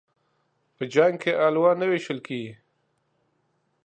په جنگ کې الوا نه ويشل کېږي.